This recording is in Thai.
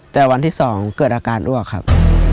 แต่วันที่๒เกิดอาการอ้วกครับ